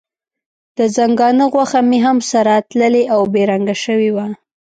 د ځنګانه غوښه مې هم سره تللې او بې رنګه شوې وه.